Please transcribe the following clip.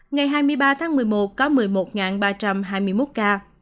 ngày hai mươi ba tháng một mươi một có một mươi một ba trăm hai mươi một ca